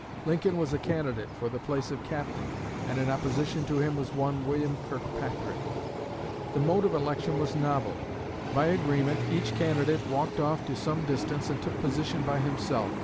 Lincoln was a candidate for the place of captain, and in opposition to him was one William Kirkpatrick. The mode of election was novel. By agreement, each candidate walked off to some distance and took position by himself.